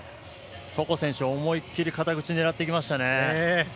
床選手、思いっきり肩口狙っていきましたね。